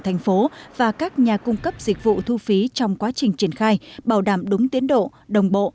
thành phố và các nhà cung cấp dịch vụ thu phí trong quá trình triển khai bảo đảm đúng tiến độ đồng bộ